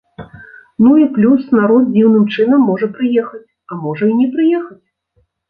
Ну, і плюс народ дзіўным чынам можа прыехаць, а можа і не прыехаць.